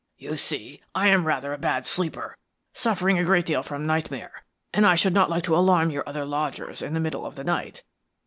You see, I am rather a bad sleeper, suffering a great deal from nightmare, and I should not like to alarm your other lodgers in the middle of the night."